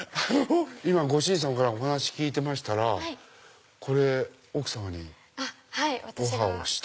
今ご主人さまからお話聞いてましたらこれ奥さまにオファーをして。